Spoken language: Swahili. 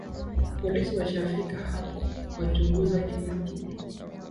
Polisi washafika hapa na wachunguza kila kitu